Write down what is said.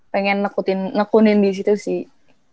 pengen nekunin di situ sih